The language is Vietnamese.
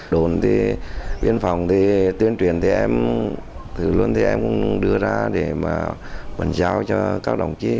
đồn thì biên phòng thì tuyên truyền thì em thử luôn thì em cũng đưa ra để mà bàn giao cho các đồng chí